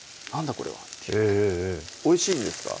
これはってええええええおいしいんですか？